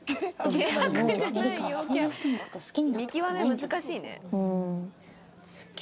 見極め難しいね。